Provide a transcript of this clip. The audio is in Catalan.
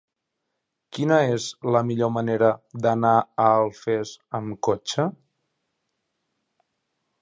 Quina és la millor manera d'anar a Alfés amb cotxe?